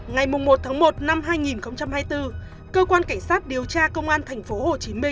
ngày một một một hai nghìn hai mươi bốn cơ quan cảnh sát điều tra công an tp hcm